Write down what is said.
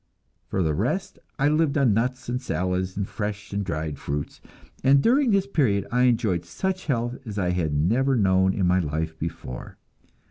For the rest I lived on nuts and salads and fresh and dried fruits; and during this period I enjoyed such health as I had never known in my life before.